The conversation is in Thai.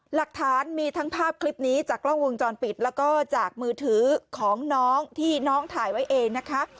หลักฐานมีทั้งภาพคลิปนี้จากกล้องวงจรปิดแล้วก็จากมือถือของน้องที่น้องถ่ายไว้เองนะคะ